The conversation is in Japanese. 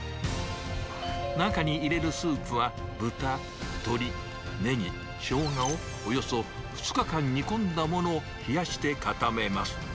中に入れるスープは、豚、鶏、ネギ、ショウガをおよそ２日間煮込んだものを冷やして固めます。